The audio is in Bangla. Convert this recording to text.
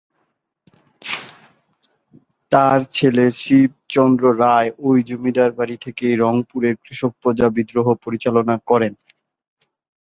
তার ছেলে শিব চন্দ্র রায় এই জমিদার বাড়ি থেকেই রংপুরের কৃষক প্রজা বিদ্রোহ পরিচালনা করেন।